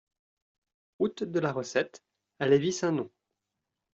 Route de la Recette à Lévis-Saint-Nom